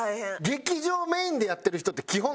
劇場メインでやってる人って基本